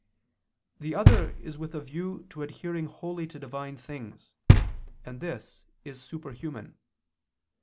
The other is with a view to adhering wholly to divine things; and this is superhuman.